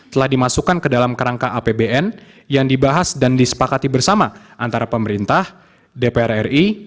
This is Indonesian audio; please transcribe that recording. telah dimasukkan ke dalam kerangka apbn yang dibahas dan disepakati bersama antara pemerintah dpr ri